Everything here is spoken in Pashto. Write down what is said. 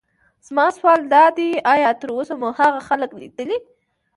زما سوال دادی: ایا تراوسه مو هغه خلک لیدلي.